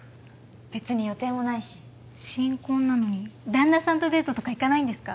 別に予定もないし新婚なのに旦那さんとデートとか行かないんですか？